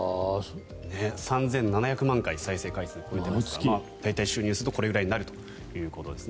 ３７００万回再生回数を超えていますから大体、収入はこれぐらいだということです。